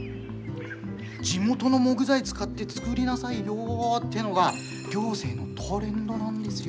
地元の木材使って作りなさいよっていうのが行政のトレンドなんですよ。